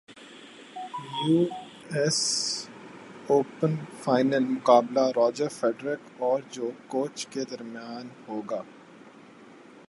you S open final مقابلہ Roger Federer اور جوکووچ کے درمیان ہوگا